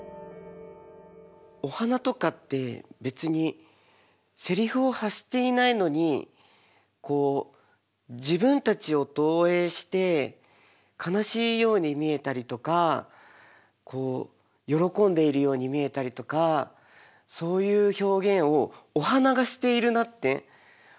お花とかって別にセリフを発していないのに自分たちを投影して悲しいように見えたりとか喜んでいるように見えたりとかそういう表現をお花がしているなって思ったから。